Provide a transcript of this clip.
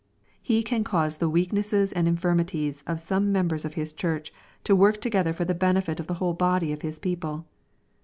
He can cause the weaknesses and infirmities of some members of His Church to work together for the benefit of the whole body of His people.